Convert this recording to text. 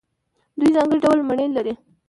دوی ځانګړي ډول مڼې لري.